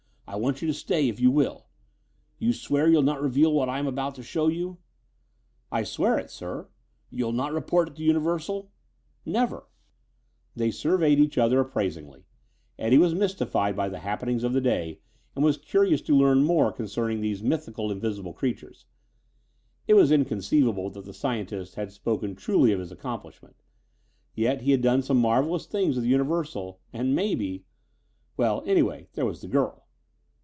I want you to stay, if you will. You swear you'll not reveal what I am about to show you?" "I swear it, sir." "You'll not report to Universal?" "Never." They surveyed each other appraisingly. Eddie was mystified by the happenings of the day and was curious to learn more concerning these mythical invisible creations. It was inconceivable that the scientist had spoken truly of his accomplishment. Yet, he had done some marvelous things with Universal and, maybe well, anyway, there was the girl.